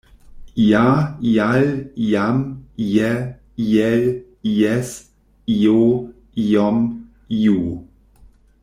Ia, ial, iam, ie, iel, ies, io, iom, iu.